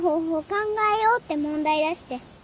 考えようって問題出して。